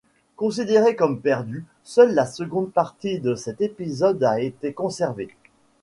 Considéré comme perdu, seule la seconde partie de cet épisode a été conservée.